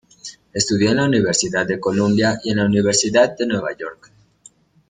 Estudió en la Universidad de Columbia y en la Universidad de Nueva York.